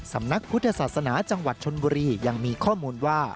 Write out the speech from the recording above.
สำนักพุทธศาสนาจังหวัดชนบุรียังมีข้อมูลว่า